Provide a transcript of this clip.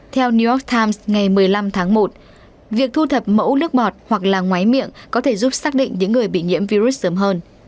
theo new york times ngày một mươi năm tháng một việc thu thập mẫu nước ngọt hoặc là máy miệng có thể giúp xác định những người bị nhiễm virus sớm hơn